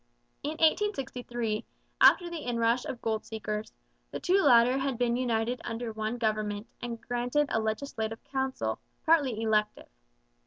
In 1863, after the inrush of gold seekers, the two latter had been united under one government and granted a Legislative Council, partly elective.